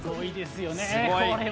すごい。